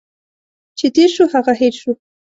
چي تیر شو، هغه هٻر شو.